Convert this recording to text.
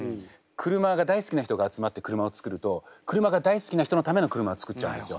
車が大好きな人が集まって車を作ると車が大好きな人のための車を作っちゃうんですよ。